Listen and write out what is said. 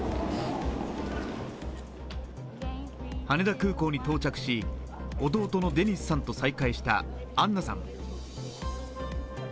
羽田空港に到着し、弟のデニスさんと再開したアンナさん。